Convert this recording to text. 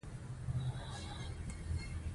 ځینې محصلین د درسونو یادښتونه ورځني کوي.